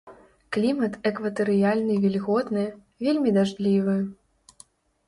Клімат экватарыяльны вільготны, вельмі дажджлівы.